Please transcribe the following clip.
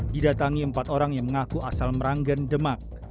didatangi empat orang yang mengaku asal meranggen demak